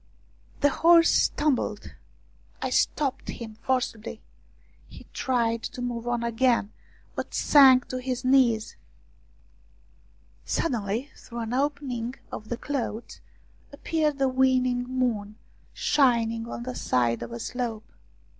The horse stumbled ; I stopped him forcibly ; he tried to move on again, but sank to his knees. 46 ROUMANIAN STORIES Suddenly, through an opening in the clouds, appeared the waning moon, shining on the side of a slope.